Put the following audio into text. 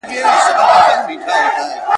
زه به قدم د رقیبانو پر لېمو ایږدمه ,